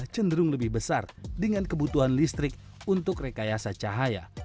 cenderung lebih besar dengan kebutuhan listrik untuk rekayasa cahaya